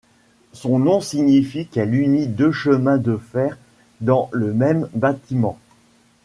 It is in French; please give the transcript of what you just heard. Son nom signifie qu'elle unit deux chemins de fer dans le même bâtiment.